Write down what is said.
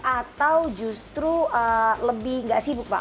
atau justru lebih nggak sibuk pak